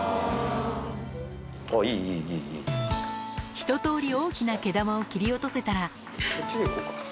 ひととおり大きな毛玉を切り落とせたらこっちで行こうか。